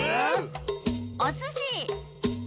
おすし！